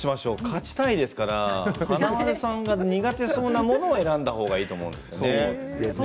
勝ちたいですから華丸さんが苦手そうなものを選んだほうがいいですね。